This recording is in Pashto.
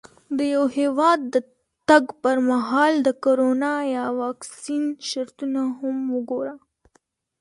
د یو هېواد د تګ پر مهال د کرونا یا واکسین شرطونه هم وګوره.